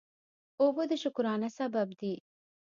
اوبه د شکرانه سبب دي.